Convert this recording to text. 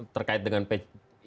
terkait dengan peci putih